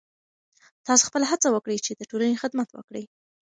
تاسو خپله هڅه وکړئ چې د ټولنې خدمت وکړئ.